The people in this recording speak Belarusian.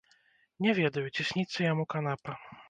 Не ведаю, ці сніцца яму канапа?